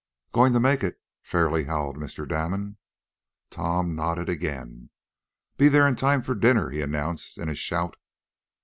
"Going to make it?" fairly howled Mr. Damon. Tom nodded again. "Be there in time for dinner," he announced in a shout.